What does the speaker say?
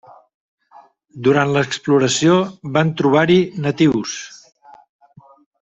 Durant l'exploració van trobar-hi natius.